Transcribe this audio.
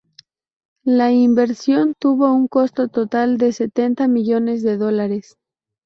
La inversión tuvo un costo total de setenta millones de dólares.